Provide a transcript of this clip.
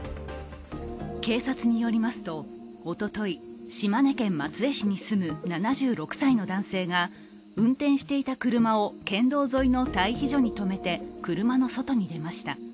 警察によりますと、おととい島根県松江市に住む７６歳の男性が運転していた車を県道沿いの待避所に止めて車の外に出ました。